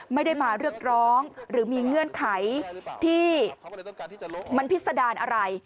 ไม่ได้มาเรียกร้องหรือมีเงื่อนไขที่มันพิษดารอะไร